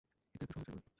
এটা এতো সহজ না।